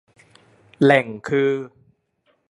แหล่งคือ